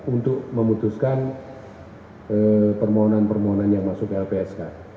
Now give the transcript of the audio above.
untuk memutuskan permohonan permohonan yang masuk ke lpsk